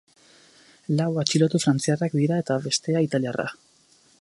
Lau atxilotu frantziarrak dira eta bestea italiarra.